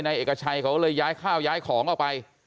เอกชัยเขาเลยย้ายข้าวย้ายของออกไป